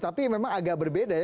tapi memang agak berbeda ya